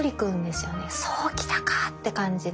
そうきたかって感じで。